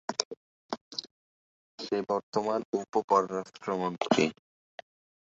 সে বর্তমান উপ-পরারাষ্ট্রমন্ত্রী।